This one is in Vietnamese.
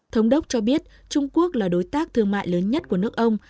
thống đốc cho biết trung quốc là đối tác thương mại lớn nhất của nước ông